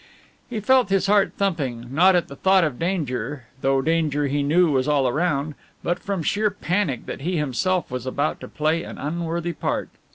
He felt his heart thumping, not at the thought of danger, though danger he knew was all round, but from sheer panic that he himself was about to play an unworthy part.